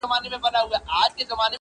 په هډوکو او په غوښو دایم موړ ؤ,